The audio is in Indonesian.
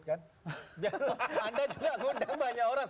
biar anda juga mengundang banyak orang